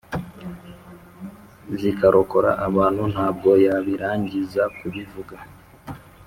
zikarokora abantu ntabwo yabirangizakubivuga